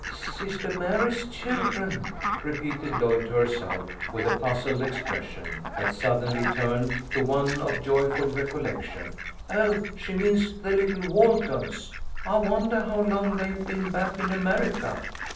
" Sister Mary's children," repeated Lloyd to her self, with a puzzled expression, that suddenly turned to one of joyful recollection. "Oh, she means the little Waltons ! I wondah how long they've been back in America?"